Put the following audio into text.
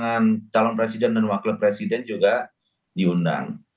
pasangan calon presiden dan wakil presiden juga diundang